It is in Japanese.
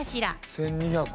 １，２００。